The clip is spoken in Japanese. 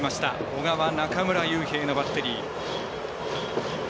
小川、中村悠平のバッテリー。